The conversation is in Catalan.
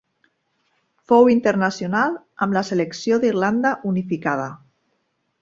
Fou internacional amb la selecció d'Irlanda unificada.